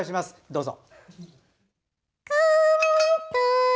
どうぞ。